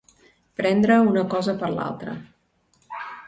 Prendre una cosa per altra.